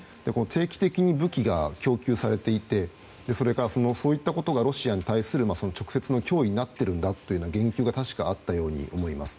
定期的に武器が供給されていてそういったことがロシアに対する直接の脅威になっているんだという言及があったように思います。